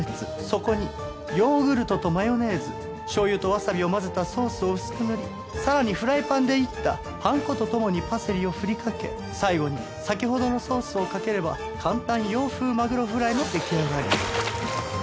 そこにヨーグルトとマヨネーズしょう油とわさびを混ぜたソースを薄く塗りさらにフライパンで煎ったパン粉とともにパセリを振りかけ最後に先ほどのソースをかければ簡単洋風マグロフライの出来上がり。